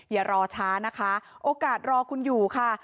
อย่ารอช้านะคะโอกาสรอคุณอยู่ค่ะ